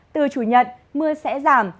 từ chủ nhật mưa sẽ giảm